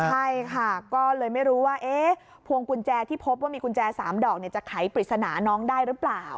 ใช่ค่ะก็เลยไม่รู้ว่าพวงกุญแจที่พบว่ามีกุญแจ๓ดอกจะไขปริศนาน้องได้หรือเปล่า